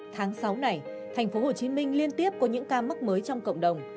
tháng sáu này thành phố hồ chí minh liên tiếp có những ca mắc mới trong cộng đồng